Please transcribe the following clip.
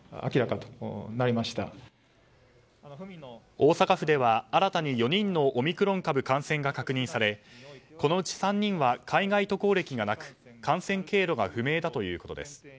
大阪府では、新たに４人のオミクロン株感染が確認されこのうち３人は海外渡航歴がなく感染経路が不明だということです。